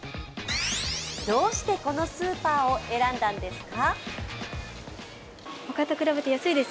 どうしてこのスーパーを選んだんですか？